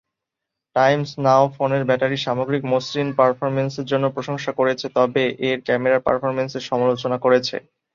Times Now ফোনের battery, সামগ্রিক মসৃণ পারফরম্যান্সের জন্য প্রশংসা করেছে তবে এর ক্যামেরার পারফরম্যান্সের সমালোচনা করেছে।